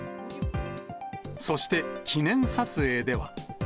そして記念撮影では。